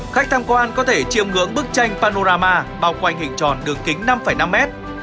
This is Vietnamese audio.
khách tham quan có thể chiêm ngưỡng bức tranh panorama bao quanh hình tròn đường kính năm năm mét